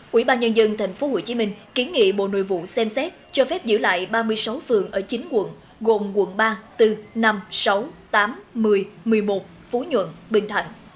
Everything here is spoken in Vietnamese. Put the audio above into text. quỹ ban nhân dân tp hcm kiến nghị bộ nội vụ xem xét cho phép giữ lại ba mươi sáu phường ở chín quận gồm quận ba bốn năm sáu tám một mươi một mươi một phú nhuận bình thạnh